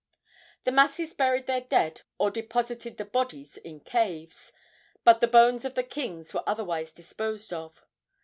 The masses buried their dead or deposited the bodies in caves, but the bones of the kings were otherwise disposed of.